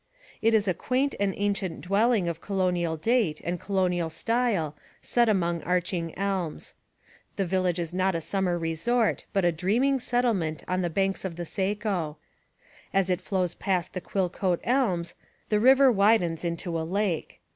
It is a quaint and ancient dwelling of colonial date and colonial style set among arching elms. The village is not a summer resort but a dreaming settlement on the banks of the Saco. As it flows past the Quillcote elms the river widens into a lake.